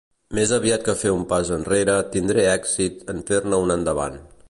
Més aviat que fer un pas enrere tindré èxit en fer-ne un endavant.